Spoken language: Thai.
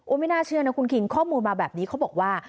ไม่น่าเชื่อนะคุณคิงข้อมูลมาแบบนี้เขาบอกว่า